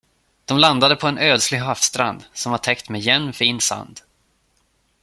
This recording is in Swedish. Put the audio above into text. De landade på en ödslig havsstrand, som var täckt med jämn, fin sand.